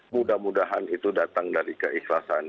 mudah mudahan itu datang dari keikhlasan